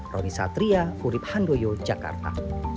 rony satria kurib handoyo jakarta